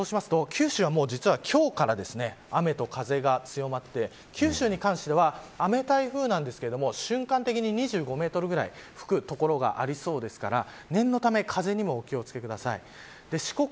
そうすると、九州は実は今日から雨と風が強まって九州に関しては雨台風なんですけど瞬間的に２５メートルぐらい吹く所がありそうですから念のため風にもお気を付けください。